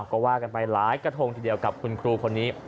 ก็ว่ากันไปหลายกระทงทีเดียวกับคุณครูคนนี้